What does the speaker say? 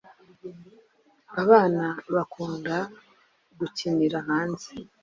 Abana bakunda gukinira hanze.